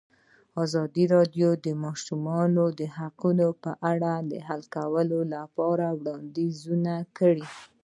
ازادي راډیو د د ماشومانو حقونه په اړه د حل کولو لپاره وړاندیزونه کړي.